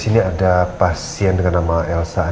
sudah adaussian atas mahal